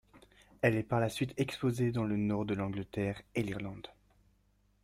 Elle est par la suite exposée dans le nord de l’Angleterre et l’Irlande.